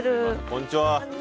こんにちは。